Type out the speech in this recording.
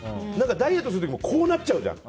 ダイエットするとこうなっちゃうじゃん。